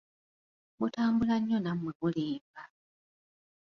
Mutambula nnyo nammwe mulimba.